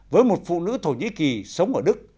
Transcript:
với một phụ nữ thổ nhĩ kỳ sống ở đức